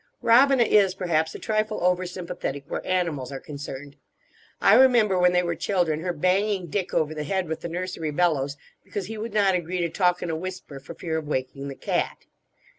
Robina is, perhaps, a trifle over sympathetic where animals are concerned. I remember, when they were children, her banging Dick over the head with the nursery bellows because he would not agree to talk in a whisper for fear of waking the cat.